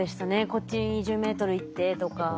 「こっち２０ｍ行って」とか。